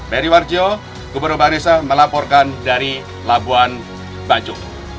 merry warjo gubernur barisa melaporkan dari labuan bajo